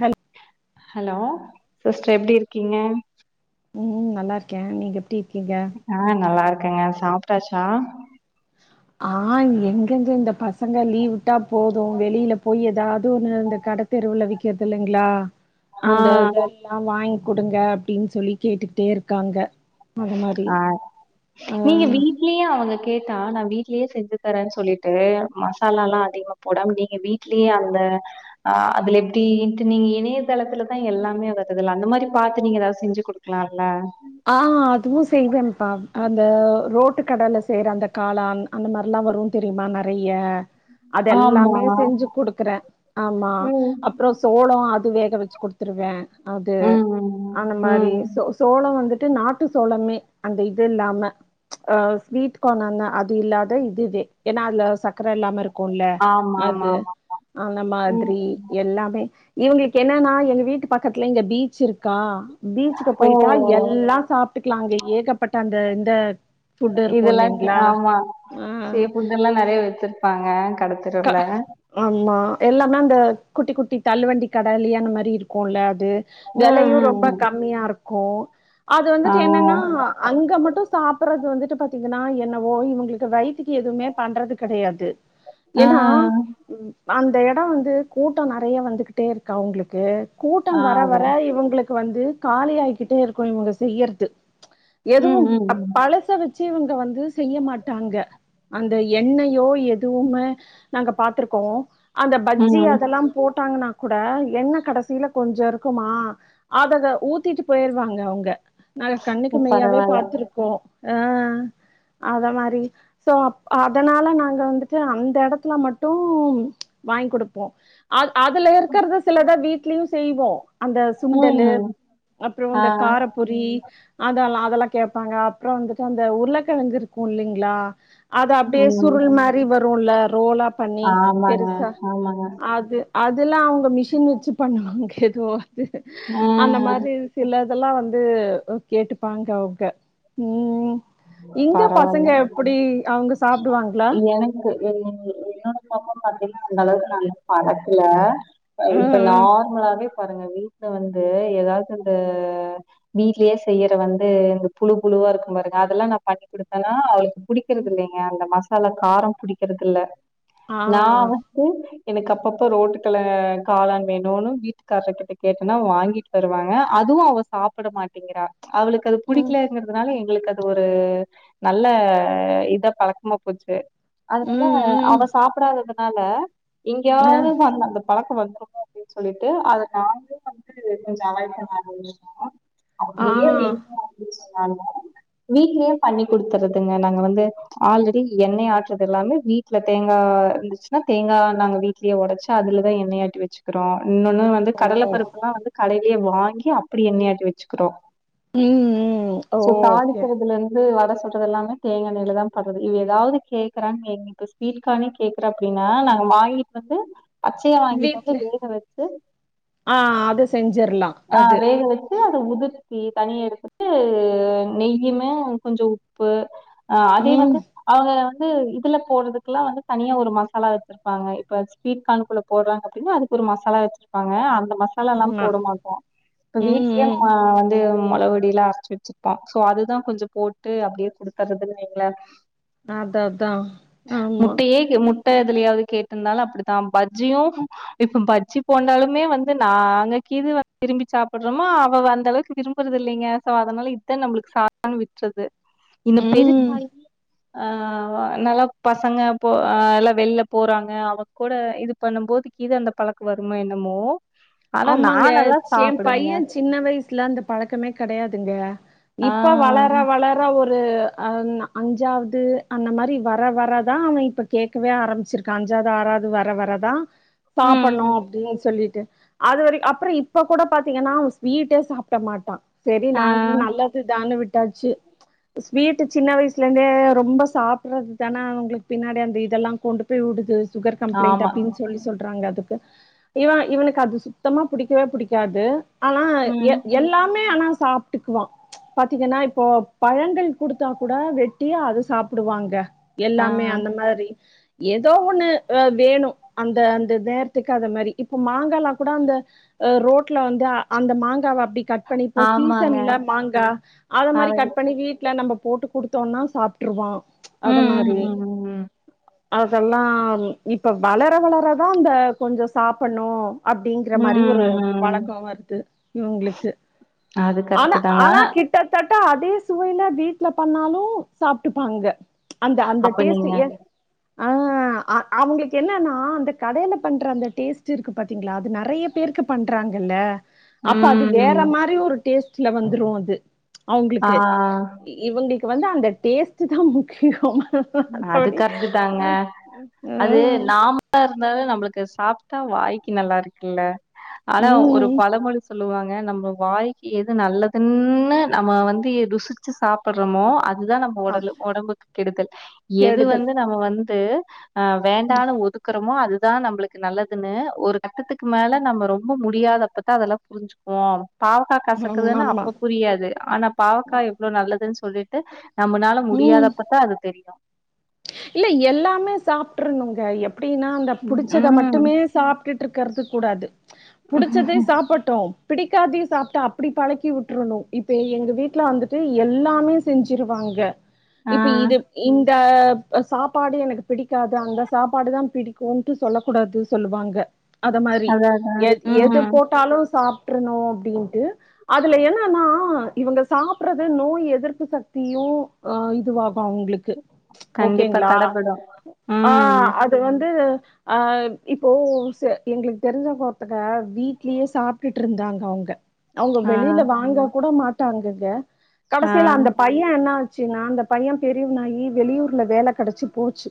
Hello hello sister எப்படி இருக்கீங்க உம் நல்லா இருக்கேன் நீங்க எப்டி இருக்கீங்க ஆஹ் நல்லார் க்கங்க சாப்பிட்டாச்சா ஆஹ் எங்கந்ங்க இந்த பசங்க லீவுட்டா போதும் வெளியில போய் ஏதாவது ஒன்னு இந்த கடை தெருவுல விக்கிறது இல்லைங்களா ஆ அந்த இதெல்லாம் வாங்கி குடுங்க அப்படின்னு சொல்லி கேட்டுட்டே இருக்காங்க அந்த மாரி ஆஹ் நீங்க ஆ வீட்லயும் அவங்க கேட்டா நான் வீட் வீட்லயே செஞ்சு தரேன்னு சொல்லிட்டு மசாலால எல்லாம் அதிகமா போடம நீங்க வீட்லேயே அந்த அஹ் அதுல எப்படி ட்டு நீங்க இணையதளத்துலதான் எல்லாமே வருதுல்ல அந்த மாதிரி பார்த்து நீங்க ஏதாவது செஞ்சு கொடுக்கலாம்ல ஆஹ் அதுவு செய்வேன் அ அந்த ரோட்டு கடைல செய்ற அந்த காளான் அந்த மாரிலாம் வரும் தெரியுமா நெறைய அது ஆமா எல்லாமே செஞ்சு குடுக்குறேன் ஆமா ம் அப்புறம் சோளம் அது வேக வச்சு குடுத்துருவேன் அது ம் அந்த மாதிரி ம் சோ சோளம் வந்து ட்டு நாட்டு சோளமே அந்த இது இல்லாம அஹ் ஸ்வீட் கார்ன் அந்த அது இல்லாத இ இது ஏன்னா அதுல சக்கர இல்லாம இருக் இருக்கும்ல ஆமா ஆமா அது ஆமா அந்த மாதிரி ம் எல்லாமே இவங்களுக்கு என்னன்னா எங்க வீட்டு பக்கத்துல எங்க பீச் இருக்கா பீச்சுக்கு ஓ போயிட்டா எல் எல்லாம் சாப்ட்டுக்கலாம் அங்க ஏகப்பட்ட அந்த இந்த ஃபுட் இருக்கு இதெல்லாம் இல்லைங்களா ஆமா ஆ சீ புட்டெல்லாம் நிறைய வச்சிருப்பாங்க க கடத்தரூல்ல ஆமா எல்லாமே அந்த குட்டி குட்டி தள்ளு வண்டி கட இ அந்த மாரி இருக்கும்ல அது ம், வெலயும் ம், ரொம்ப ம். கம்மியா இருக்கும் கோ அது ஆ, வந்துட்டு என்னன்னா அங்க மட்டும் சாப் அப்புறது வந்துட்டு பார்த்தீங்கன்னா என்னவோ இவங்களுக்கு வயித்துறக்கு எதுவுமே பண்றது கிடையாது ஆ, ஏன்னா அந்த இடம் வந்து கூட்டம் நிறைய வந்துகிட்டே இருக்கு அவங்களுக்கு ஆ, கூட்டம் வர வர அதான். இவங்களுக்கு வந்து காலி ஆகிக்கிட்டே இருக்கும் இவங்க செய்யறது ம், எதுவும் ம், ம். பழச வச்சு வந்து இவங்க வந்து செய்ய மாட்டாங்க அந்த எண்ணெயோ எதுவுமே நாங்க பாத்திருக்கோம் அந்த பஜ்ஜி ம். அதெல்லாம் போட்டாங்கன்னா கூட என்ன கடைசியில கொஞ்சம் இருக்குமா அத அத ஊத்திட்டு போயிருவாங்க அவங்க நாங்க கண்ணுக்கு மெய்யாவே பரவால்ல. பாத்திருக்கோம் ஆஹ் அத மாதிரி சோ அப் அதனால நாங்க வந்து ந்து அந்த இடத்துல மட் ட்டும் வாங்கி் குடுப்போம் அத் அதுல இருக்கிறது சிலத வீ லியும் செய்வோ அந்த சுண்டல்லு ம். அப்புறம் ஆ. அந்த கார ரி அதெல்லா அதெல்லாம் கேப்பாங்க அப்புறம் வந்துட்டு அந்த உருளைக்கெழங்கு இருக்கும் இல்லிங்ளா அது அப்படியே ம். சுருள் மாதிரி வரும்ல ரோலா பண்ணி ஆமாங்க, பெருசா ஆமாங்க. அது அதுல்லாம் அவங்க மிஷின் வச்சு பண்ணுவாங்க ம் அந்த ம். மாரி சில தெல்லாம் வந்து வந்து கேட்டுப்பாங்க அவங்க உம் இங்க பரவால்ல. பசங்க எப்படி அவங்க சாப்புடுவாங்களா எனக்கு என் என்னோட பப்பா பாத்தீங்கன்னா அந்த அளவுக்கு இன்னும் பழக்குல இப்ப ம் ம் நார்மலாவே பாருங்க வீட்டுல வந்து ஏதாவது இந்த வீட்லயே செய்யற வந்து இந்த புழு புழுவா இருக்கும் பாருங்க அதெல்லாம் நான் பண்ணி கொடுத்தேனா அவளுக்கு பிடிக்கறது இல்லைங்க அந்த மா செல காரம் புடிக்கிறது இல்ல ஆ நான் வந்து எனக்கு அப்பப்போ ரோட்டுக்கள காளான் வேணும்னு வீட்டுக்காரர் கிட்ட கேட்டனா வாங்கிட்டு வருவாங்க அதுவும் அவ சாப்பிட மாட்டேங்கிறா அவளுக்கு அது ம் புடிக்கலங்கிறதுனால உங்களுக் அது ஒரு நல்ல இதா பழக்கமா போச்சு அதுனால ம் ம் அவ சாப்பிடாத நால இங்கேயாவது ஆ அந்த பழக்கம் வந்துருமோ அப்படின்னு சொல்லிட்டு அத நாங்களே வந்து கொஞ்சம் அவாய்ட் பண்ணிருவோ ஆ அப்டிய தின்னு அப்டினு சொல் நாங்க வீட்லயே பண்ணி குடுத்துறதுங்க நாங்க வந்து ஆல்ரெடி எண்ணெய் ஆட்டுறது எல்லாமே வீட்ல தேங்காய் இருந்துச்சுன்னா தேங்காய் நாங்க வீட்லயே உடைச்சு அதுலத எண்ணெய் ஆட்டி வச்சுக்கிறோ இன்னொன்னு வந்து ஓ கடல பருப்பெல்லாம் வந்து கடை அப்டியே வாங்கி அப்படி எண்னையாட்டி வச்சுக்கிறோம் ம் ம் ஓகே வந்து வட சுடுறது எல்லாமே தேங்கா எண்ணெயில தான் பண்றது இது ஏதாவது கேக்குறான் இப்ப ஸ்வீட் கார்ன் கேக்குற அப்டின்னா நாங்க வாங்கிட்டு வந்து பச்சயா வாங்கிட்டு வந்து வீட்ல வேக வச்சு ஆ அது செஞ்சிர்லா ஆ அது வேக வச்சு அத உது த்து தனியா எடுத்துட்டு நெய் யுமே கொஞ்சம் உப்பு ஆ அது ம் வந்து அவங்க ளே இதுல போடுறதுக்குல்லாம் வந்து தனியா ஒரு மசாலா வச்சிருப்பாங்க இப்ப ஸ்வீட் கார்னுக்குள்ள போடுறாங்க அப்டின்னா அதுக்கு ஒரு மசாலா வச்சிருப்பாங்க அந்த மசால எல்லாம் ஆமா போட மாட்டோம் இப்ப ம் வீட்லயே ம் நா வந்து மொளபொடியலாம் அரைச்சி வச்சிருப்போம் சோ அது தான் கொஞ்சம் போட்டு அப்டியே குடுத்தறது நீங்கள அதான் அதான் ஆமா துலயாவது கேட்டிருந்தாலும் அப்டித்தான் பஜ்ஜியும் இப்ப பஜ்ஜி போட்டாலுமே வந்து நான நாங்க கீது விரும்பி சாப்டுறோமோ அவ வந்த அளவுக்கு விரும்புறது இல்லங்க சாதமோ இத்த நம்மளுக்கு நான் விற்றது நீ ம் பெருசாயி ஆ நல்லா பசங்க போ எல்லாம் வெளியில போறாங்க அவ கூட இது பண்ணும்போது கீது அந்த பழக்க வருமோ என்னமோ ஆனா நா ஆமாங்க நல்லா சே என் சாப்பிடுவேங்க. பையன் சின்ன வயசுல அந்த பழக்கமே கெடையாதுங்க ஆ இப்ப வளர வளர ஒரு அ அஞ்சாவது அந்த மாரி வர வரதான் அவன் இப்ப கேட்கவே ஆரம்பிச்சிருக்கான் அஞ்சாவது ஆறாவது வர வரதான் ம் சாப்டணும் ம் அப்டின்னு சொல்லிட்டு அது வரைக் அப்பறம் இப்ப கூட பாத்தீங்கன்னா அவன் ஸ்வீட்டே சாப்ட மாட்டான் சரி ஆ நாங்களும் நல்லது தான்னு விட் டாச்சு ஸ்வீட் சின்ன வயசுல இருந்தே ரொம்ப சாப்டுறது தானே அவுங்களுக்கு பின்னாடி அந்த இதெல்லாம் கொண்டு போய் உடுது சுகர் கம்ப்ளைண்ட் ஆமா. அப்டின்னு சொல்லி சொல்றாங்க அது இவ இவனுக்கு அது சுத் சொன்னா புடிக்கவே புடிக்காது ஆனா ம் எல் எல்லாமே ஆனா சாப்ட்டுக்குவான் பாத்தீங்கன்னா இப்போ பழங்கள் குடுத்தா கூட வெட்டி அதை சாப்டுவாங்க ஆ எல்லாமே அந்த மாரி ஏதோ ஒண்ணு வேணும் அந்த அந்த நேரத்துக்கு அ மாதிரி இப்ப மாங்காலாம் கூட அந்த ரோட்ல வந்து அந்த மாங்காவ கட் பண்ணிப்போ ஆமாங்க. சீசன்ல மாங்கா அது மாரி அழகு கட் பண்ணி வீட்ல நம்ம போட்டு கொடுத்தோன்னா சாப்ட்ருவான் அது ம் மாரி ம் அதெல்லாம் இப்ப வளர வளரதான் இந்த கொஞ்சம் சாப்டணும் அப்டிங்கிற ம் ம். மாரி ஒரு ம் பழக்கம் வருது இவுங்களுக்கு அது ஆனா கரெக்ட்டு தாங்க. ஆனா கிட்டத்தட்ட கா அதே சுவையில வீட்டல பண்ணாலும் சாப்ட்டுப்பாங்க அந்த அந்த அப்ப டேஸ்ட் நீங்க அ அவுங்களுக்கு என்னன்னா அந்த கடயில பண்ற அந்த டேஸ்ட் இருக்கு பா த்தீங்களா அது நெறைய பேருக்கு பண்றாங்கல்ல அப்ப அது வேற ம் மாரி ஒரு டேஸ்ட் ல வந்துரும் அது ஆ அவுங்களுக்கு இவுங்க வந்து அந்த டேஸ்ட் தான் முக்கியம் அது மத்தபடி கரெக்ட் தாங்க அ அது ம் நாமாளா இருந்தாலும் நம்மளுக்கு சாப் டா வாய்க்கு நல்லா இருக்குல்ல ஆனா ஒரு ம் பழமொழி சொல்லுவாங்க நம்ம வாய்க்கு எது நல்லதுன்னு நம்ம வந்து ருசிச்சு சாப்டுறோமோ அதுதான் நம்ம அப் உடலு உடம்புக்கு கெடுதல் எது கெடுதல் வந்து நம்ம வந் து அ வேண்டான்னு ஒதுக்குறோமோ அது அது தான் நம்மளுக்கு நல்லதுன்னு ஒரு கட்டத்துக்கு மேல நம்ம ரொம்ப முடியாதப்பத்தான் அதெல்லாம் புரிஞ்சுக்குவோம் பாவக்காய் கசக்குதுன்னு ஆமாமா அப்ப புரியாது ஆனா பாவக்கா எவ்ளோ நல்லதுன்னு சொ சொல்லிட்டு நம்மளால ம். முடியாதப்பதான் அது தெரியும் இல்ல எல்லாமே சாப்ட்ருனுங்க எ எப்டின்னா அந்த பிடிச்சதை ம். மட்டுமே சாப்ட்டுட்டு இரு க்கறது கூடாது புடிச்சதே சாப்டட்டும் பிடிக்காதையும் சாப்ட்டு அப்டி பழக்கி விட்டுருணும் இப்ப எங்க வீட்ல வந்துட்டு எல்லாமே செஞ்சிருவாங்க ஆ. இப்ப இது இந் டப் சாப்பாடு எனக்கு பிடிக்காது அந்த சாப்பாடு தான் பிடிக்கும்ட்டு சொல்ல கூடாது சொல்லுவாங்க அத மாதிரி அதான் அதான். எ எது ம். போட்டாலும் சாப் றனும் அப்டின்ட்டு அதுல என்னன்னா இவுங்க சாப்டுறது நோய் எதிர்ப்பு சக்தியும் இதுவா அவுங்களுக்கு கண்டிப்பா ஓகேங்களா தடபடும். அ ம். அது வந்து அ இப்போ எங்களுக்கு தெரிஞ்சவங்க ஒருத்தங்க வீட்லயே சாப்டுட்டு இருந்தாங்க அங்க அவுங்க ஆ. வெளியில வாங்க கூட மாட் டாங்குங்க ஆ கடசியில அந்த பையன் என்னா ச்சுனா அந்த பையன் பெரியவனாயி வெளியூர் ல வேல கெடைச்சு போச்சு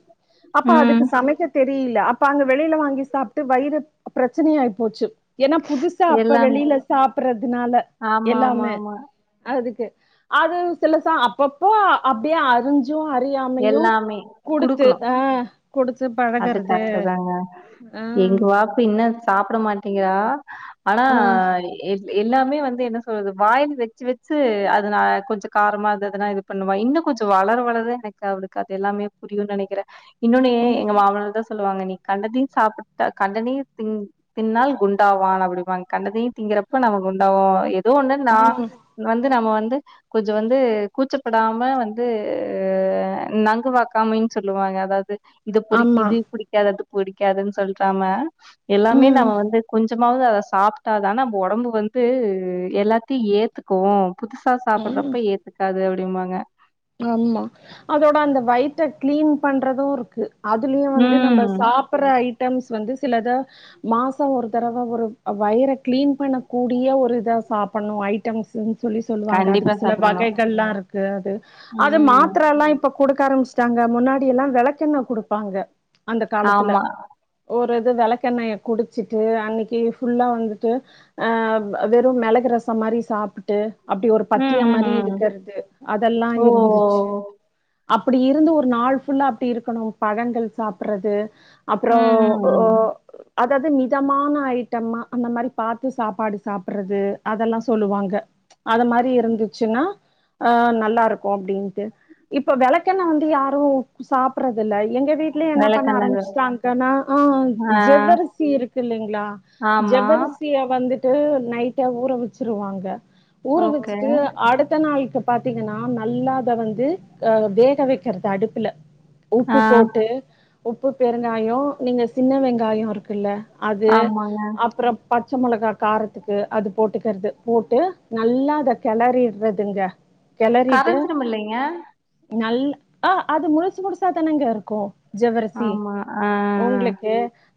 அப்ப அதுக்கு ம் சமைக்க தெரியல அப் பங்க வெளியில வாங்கி சாப்ட்டு வயிறு பிரச்சனையா ஆயி போச்சு ஏன்னா புதுசா அப்ப எல்லாமே வெளியில சாப்பறதுனால ஆமா ஆமா எல்லாமே ஆமா அதுக்கு அது சிலசா அப்பப்போ அப்டியே அறிஞ்சும் அரி எல்லாமே குடுக்கணும் குடுத்து அது பழகறது கரெக்ட் தாங்க ஆ எங்க வாப்ப இன்னும் சாப்ட மாட்டேங் யா ஆனா ஆ எல்லாமே வந்து என்ன சொல்றது வாயில் வச்சு வச்சு அதனா கொஞ்சம் காரமா இருந்ததுனா இது பண்ணுவான் இன்னும் கொஞ்சம் வளர வளர இ ந்த அவளுக்கு அது எல்லாமே புரியும்னு நினைக்கிறேன் இன்னொன்னுயே எங்க ம் மாமனார் தான் சொல்லுவாங்க நீ கண்டதையும் சாப்ட்டா கண்டதையும் திங் தின்னால் குண்டாவான் அப்டிப்பாங்க கண்டதையும் திங்குறப்ப நம்ம குண்டாவோம் ஏதோ ஒன்னு ம் நான வந்து நம்ம வந்து கொஞ்சம் வந்து கூச்சப்படாம வந்து நங்கு வாக்காமைன்னு சொல்லுவாங்க அதாவது இது புறி ஆமா இது புடிக்காதது புடிக்காதுன்னு சொல்றாங்க எல்லாமே ம் நம்ம வந்து கொஞ்ச கொஞ்சமாவது அவ சாப்ட்டா தானா நம்ப உடம்பு வந்து எல்லாத்தையும் ஏத்துக்கும் புதுசா ம் சாப்டுறப்ப ஏத்துக்காது அவளு அப்டினுமாங்க ஆமா அதோட அந்த வயித்த கிளீன் பண்றதும் அதுலயும் வந்து நம்ம ம் சாப்டுற ஐ ட்டம்ஸ் வந்து சிலத மாசம் ஒரு தடவை ஒரு வயிர கிளீன் பண்ணக்கூடிய ஒரு இத சாப்டணும் ஐட்டம்ஸ் சொல்லி சொல்லுவாங்க கண்டிப்பா அதுக்கு சில சாப்பிடணு வகைகளாம் இருக்கு அது அது ம் மாத்திரலாம் இப்ப கொடுக்க ஆரம்பிச்சுட்டாங்க முன்னாடி எல்லாம் விளக்கெண்ண கொடுப்பாங்க அந்த காலத்துல ஆமா ஒர் ப்றது விளக்கெண்ணெயை குடிச்சிட்டு அன்னைக்கி ஃபுல்லா வந்துட்டு வெறும் மெளகு ரசம் மாரி சாப்பட்டு அப்டி ஒரு ம் பத்தியமா ம் மாரி ம் இருக்கிறது அ ஓ ஓ ஓ அப்டி இருந்து ஒரு நாள் ஃபுல்லா அப்டி இருக்கணும் பழங்கள் சாப்பிடுறது அப்பறம் ம் ம் ஓ ம் அதாவ்து மிதமான ஐட்டமா அந்த மாரி பாத்து சாப்பாடு சாப்படுறது அதெல்லா சொல்லுவாங்க அது மாரி இருந்துச்சுன்னா ஆ நல் ப்பா இருக்கு அப்டின்ட்டு இப்ப வெளக்கெண்ண வந்து யாரு சாப்டறது இல்ல எங்க வீட்லய என்ன பண்ண வெளக்கெண்ணெது ஆரம்பிச்சிட்டான்னா ஆ ஜவவரிசி இருக்கு இல்லங்களா ஆமா ஜவ்வரிசிய வந்து வந்து நைட்ட ஊற வச்சிருவாங்க ஊற ஓகே வச்சுட்டு அடுத்த நாள்க்கு பாத்தி நா நல்லா வந்து வேகவிட்டு விறகு அடுப்புல ஆ உப்பு போட்டு உப்பு பெருங்காயோ நீங்க சின்ன வெங்காயோ இருக்கில்ல அது ஆமாங்க அப்புற பத் பச்ச மொளகா காரத்துக்கு அது போட்டுக்கறது போட்டு நல்லா அத கெளறிர்றதுங்க கெளறிட்டு கரைஞ்சிரும் இல்லைங்க நல் ஆஹ் அது முழுசு முழுசாதானங்க இருக்கு ஜவ்வரிசி ஆமா ஆ உங்களுக்கு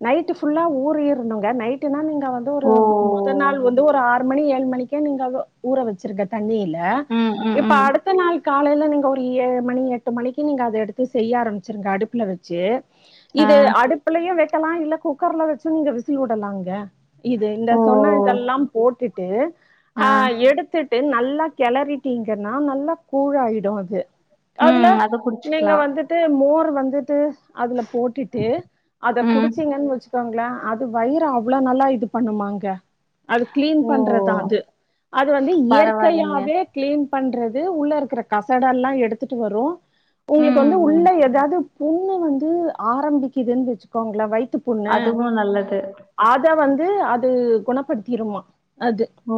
நைட் ஃபுல்லா ஊறிரணுங்க நைட்டெல்லா நீங் வந்து ஒரு ஓ மேதல் நாள் வந்து ஒரு ஆறு மணி ஏழ இரண்டுமணிக்கே நீங்க ஊற வச்சிருக்க தண்ணி இல ம் ஆ ம் இப்ப ம் அடுத்த நாள் கா காலையில் நீங்கள் ஒரு ஏழு மணி எட்டு மணிக்கு நீங்கள் அதை எடுத்து செய்ய ஆரமிச்சுடுங்க அடுப்புல வச்சு ஆ இது அடுப்புலயு வெக் வக்கிலா இல்ல குக்கர்ல வச்சும் நீங்க விசில் விடலாங்க இது இந்த சொன்ன ஓ இதெல்லாம் போட்டுட்டு ஆ அ எடுத்து ட்டு நல்லா கெளறிட்டிங் ஏன்னா நல்லா கூழ் ஆயிடு அது அதுல ம் அத குடிச்சுக்கலா நீங்க வந்துட்டு மோர் வந் ந்துட்டு அதுல போட்டுட்டு அத ம் குடிச்சீங்கன்னு வச்சு கோங்களன் அது வயிறு அவ்வளவு நல்லா இது பண்ணுமாங்க அது கிளீன் ஓ பண்றதான் அது அது வந்து பரவாயில்லைங்க இயற்கையாவே கிளீன் பண்றது உள்ள இருக்கிற கசட எல்லாம் எடுத்துட்டு வரும் உங்களுக்கு ம் வந்து ம் உள்ள ஏதாவது புண்ணு வந்து ஆரம்பிக்குதுன்னு வச்சுக்கோங்களேன் வைத் ப் பொண்ணு அதுவு நல்லது அத வந் வந்து அது குணப்படுத்திருமா அது ஓ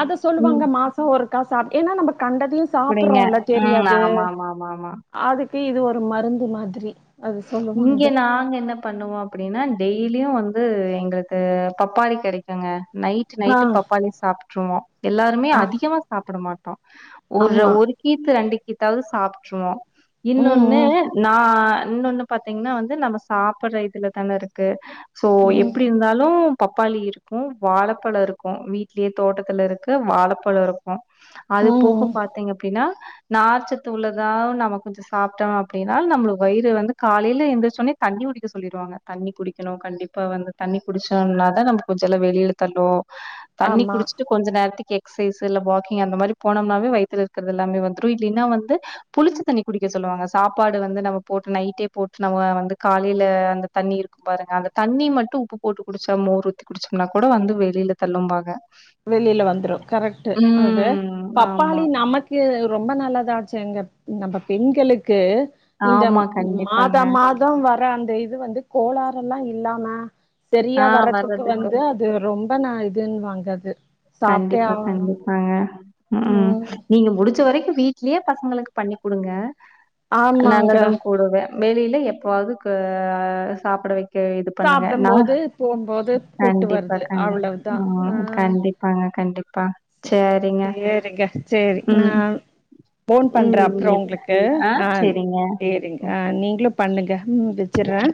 அத ம் சொல்லுவாங்க மாசம் ஒருக் க்கா சாப்பட் என்ன நம்பக் கண்டதையும் அப்படிங்க சாப்பறோம்ல ம் தெரியாது ஆமா ஆமா ஆமா ஆமா அதுக் இபி இது ஒரு மருந்து மாதிரி அது சொல்லுவாங்க இங்கே நாங்க என்ன பண்ணுவோம் அப்டின்னா டெய்லியும் வந் வந்து எங்களுக்கு பப்பாளி கெடைக்குங்க நைட் ஆ நைட்டு பப்பாளி சாப்பட்டுருவோம் எல்லாருமே ஆ அதிகமா சாப்பட மாட் ஒரு ஆமா ஒரு கீத்து ரெண்டு கீ இத்தாவுது சாப்பிட்டுருவோம் ம் இன்னொன்னு ம் நா இன்னொன்னு பாத்தீங்கன்னா வந்து நம்ம சாப்படுற இதுல தானே இருக்கு சோ ம் எப்டி இருந்தாலும் பப்பாளி இருக்கும் வாழைப்பழ இருக்கும் வீட்லயே தோட்டத்தில் இருக்க வாழைப்பழம் இருக்கும் அது ம் போக ம். பாரத்திங்க அப்டின்னா நார்ச்சத்து உள்ளதா நம்ம கொஞ்சம் சாப்பிட்டோம் அப்டின்னா நம்மளுக்கு வயிறு அது வந்து காலையில எந்தச்சுடனே தண்ணி குடிக்க சொல்லிருவாங்க தண்ணி குடிக்கணும் கண்டிப்பா வந்து தண்ணி குடிச்சோம்னக தான் நம்ம கொஞ்சம் வெளியில தல்லூம் தண்ணி ஆமா குடிச்சுட்டு கொஞ்ச நேரத்துக்கு எக்சசைஸ் இல்ல வாக்கிங் அந்த மாரி போனோம்னாவே வய்த்ல இருக்கிறது எல்லாமே வந்துரும் இல்லன்னா வந்து புளிச்ச தண்ணி குடிக்க சொல்லுவாங்க சாப்பாடு வந்து நம்ம போட்டு நைட்டே போட்டு நம்ம வந்து காலையில அந்த தண்ணிஇருக்கும் பாருங்க அந்த தண்ணி மட்டும் உப்பு போட்டு குடிச்சா மோர்ஊத்தி குடிச்சோம்னா கூட வந்து வெளியில தள்ளும்பங்க வெளியில வந்துரும் கரெக்ட் அது ம் ஆமா பப்பாளி நமக்கு ரொம்ப நல்லதா ஆச்சு எங்க நம்ப பெண்களுக்கு இந்த ஆமா, ம் மாத கண்டிப்பாங்க. மாதம் வர அந் இது வந்து கோளறு எல்லாம் இல்லாம சரியா ஆ வரதுக்கு வந்து வர்றதுக்கும். அது ரொம்ப நாய் தென் வாங்காது கண்டிப்பா கண்டிப்பாங்க உம் ம் நீங்க முடிச்சி இதுவரைக்கு வீட்லயே பசங்களுக்கு பண்ணி் கொடுங்க ஆமாங்க நல்லதும் கூடவே வெளியில எப்பவாவது க ஆ சாப்பிட வைக் சாப்படுபோது போம்போது கூட்டு கண்டிப்பா, வருது கண்டி அவ்வளவுதான் ஆ ம். கண்டிப்பாங்க, கண்டிப்பா சே சரிங்க. சேரிங்க சேரி ம். நான் ஃபோன் பண்றே ம். அப்றோ இது உங்களுக்கு ஆ சேரிங்க ஆ நீங்களு பண்ணுங்க உம் வச்சறேன்